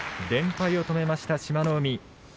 連敗を止めました志摩ノ海。